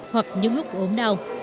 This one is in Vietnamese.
hoặc những lúc ốm đau